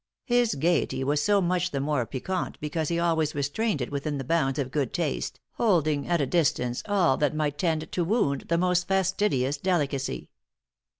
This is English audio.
His gaiety was so much the more piquant because he always restrained it within the bounds of good taste, holding at a distance all that might tend to wound the most fastidious delicacy.